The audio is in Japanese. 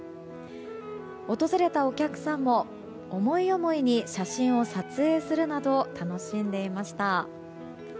訪れたお客さんも思い思いに写真を撮影するなど楽しんでいました。